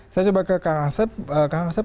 saya coba ke kang asep